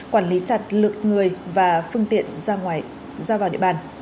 quản lý chặt lực người và phương tiện ra vào địa bàn